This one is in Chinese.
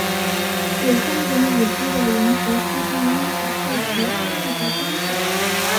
有三种已知的原核释放因子涉及翻译的终止。